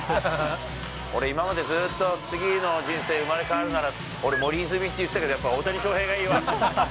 俺、今までずっと、次の人生生まれ変わるなら、俺、森泉って言ってたけど、やっぱ大谷翔平がいいわ。